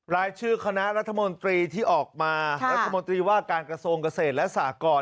รายชื่อคณะรัฐมนตรีที่ออกมารัฐมนตรีว่าการกระทรวงเกษตรและสากร